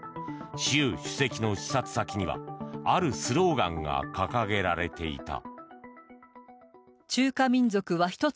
習主席の視察先にはあるスローガンが掲げられていた。